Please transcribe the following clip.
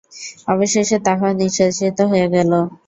অবশেষে তাহাও নিঃশেষিত হইয়া গেল।